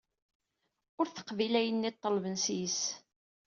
Ul teqbil ayenni ṭelben sys.